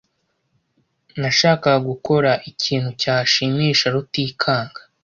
Nashakaga gukora ikintu cyashimisha Rutikanga .